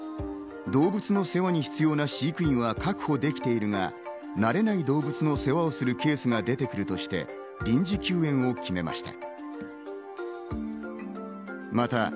動物の世話に必要な飼育員は確保できているが、慣れない動物の世話をするケースが出てくるとして、臨時休園を決めました。